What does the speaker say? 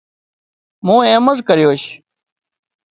مُون ايمز ڪريوش